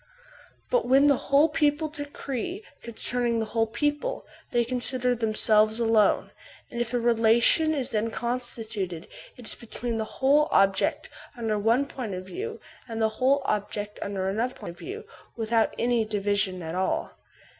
But when the whole people decree concerning the whole people, they consider themselves alone ; and if a relation is then constituted it is between the whole object under one point of view and the whole object under another point of view, without any division at all.